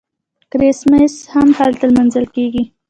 کریسمس هم هلته لمانځل کیږي.